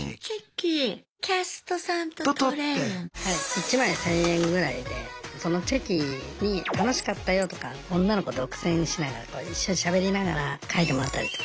１枚１０００円ぐらいでそのチェキに「楽しかったよ」とか女の子独占しながら一緒にしゃべりながら書いてもらったりとか。